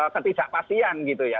ketidakpastian gitu ya